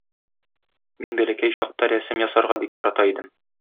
Мин бәләкәй чакта рәсем ясарга бик ярата идем.